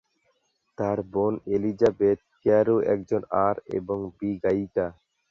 তার বোন এলিজাবেথ কেয়ারু একজন আর এবং বি গায়িকা।